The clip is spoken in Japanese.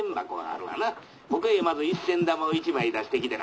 「ここへまず一銭玉を１枚出してきてな